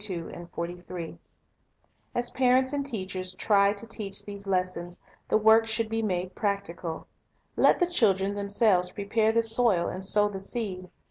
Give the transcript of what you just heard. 13. Lessons of Life in As parents and teachers try to teach these lessons, the work should be made practical. Let the children themselves prepare the soil and sow the seed.